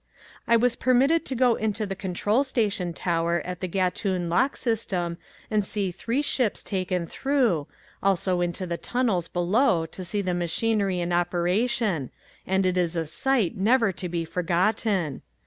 I was permitted to go into the control station tower at the Gatun lock system and see three ships taken through, also into the tunnels below to see the machinery in operation and it is a sight never to be forgotten.